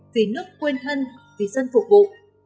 vì nước quên thân vì dân phục vụ